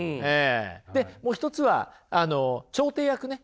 でもう一つは調停役ね。